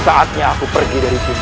saatnya aku pergi dari sini